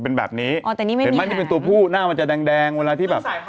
เป็นแบบนี้อ๋อแต่นี้ไม่มีเป็นตัวผู้หน้ามันจะแดงแดงเวลาที่แบบ